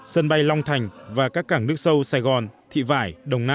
sân bay long thành và các cảng nước sâu sài gòn thị vải đồng nai